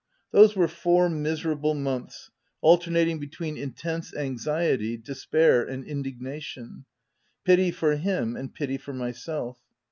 Those were four, miserable months, alternat ing between intense anxiety, despair, and indig nation ; pity for him, and pity for myself.